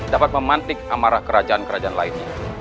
dapat memantik amarah kerajaan kerajaan lainnya